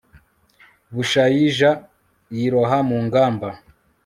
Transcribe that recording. bushayija yiroha mu ngamba